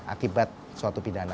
akibat suatu pidana